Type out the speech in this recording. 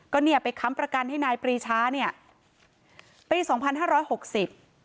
ก็เนี่ยไปค้ำประกันให้นายปรีชาเนี่ยปีสองพันห้าร้อยหกสิบ